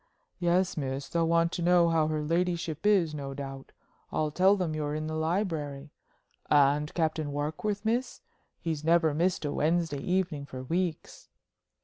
"Yes, miss. They'll want to know how her ladyship is, no doubt. I'll tell them you're in the library. And Captain Warkworth, miss? he's never missed a Wednesday evening for weeks."